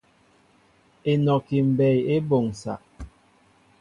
Enɔki mbɛy e boŋsa.